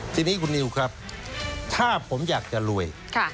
ทีนี้คุณนิวครับถ้าผมอยากจะรวย